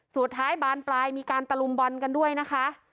สุดท้ายบานปลายมีการตะลุมบอลกันด้วยนะคะ